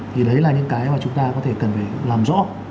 thì đấy là những cái mà chúng ta có thể cần phải làm rõ